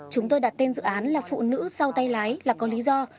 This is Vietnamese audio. chúng tôi đặt tên dự án là phụ nữ sau tay lái là có lý do